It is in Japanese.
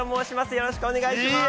よろしくお願いします。